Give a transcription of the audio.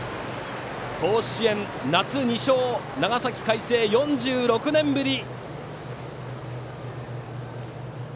甲子園、夏２勝長崎・海星、４６年ぶり！